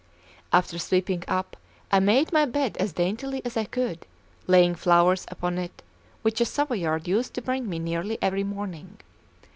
After sweeping up, I made my bed as daintily as I could, laying flowers upon it, which a Savoyard used to bring me nearly every morning.